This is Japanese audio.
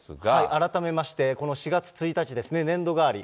改めまして、この４月１日ですね、年度替わり。